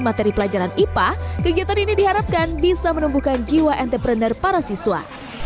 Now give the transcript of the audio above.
materi pelajaran ipa kegiatan ini diharapkan bisa menumbuhkan jiwa entrepreneur para siswa